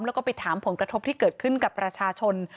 แล้วก็ไปถามผลกระทบที่เกิดขึ้นกับประชาชน